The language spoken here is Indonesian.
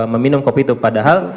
meminum kopi itu padahal